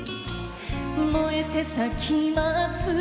燃えて咲きます